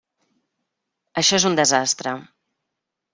Això és un desastre.